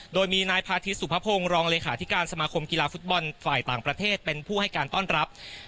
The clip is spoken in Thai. โดยมีนายพาทิตสุภพงศ์รองเลขาธิการสมาคมกีฬาฟุตบอลฝ่ายต่างประเทศเป็นผู้ให้การต้อนรับ